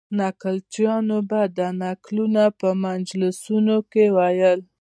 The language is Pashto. نکلچیانو به دا نکلونه په مجلسونو کې ویل.